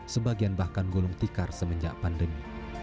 sebagian bahkan gulung tikar semenjak pandemi